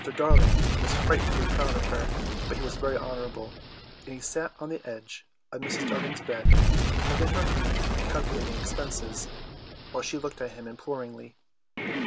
Darling was frightfully proud of her, but he was very honourable, and he sat on the edge of Mrs. Darling's bed, holding her hand and calculating expenses, while she looked at him imploringly.